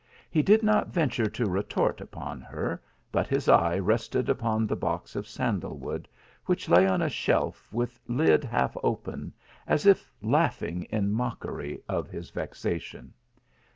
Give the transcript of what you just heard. He did not venture to retort upon her, but his eye rested upon the box of sandal wood, which lay on . shelf with lid half open, as if laughing in mockery of his vexation.